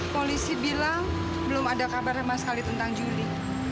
polisi bilang belum ada kabar sama sekali tentang juli